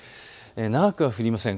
長くは降りません。